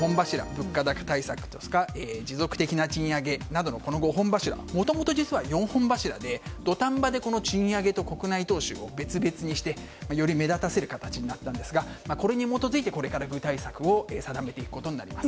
物価高対策や持続的な賃上げなどの５本柱はもともと実は４本柱で土壇場で賃上げと国内投資を別々にして、より目立たせる形になったんですがこれに基づいてこれから具体策を定めていくことになります。